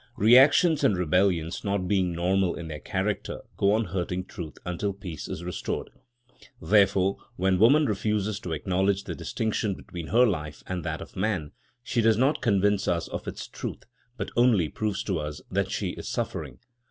Reactions and rebellions, not being normal in their character, go on hurting truth until peace is restored. Therefore, when woman refuses to acknowledge the distinction between her life and that of man, she does not convince us of its truth, but only proves to us that she is suffering.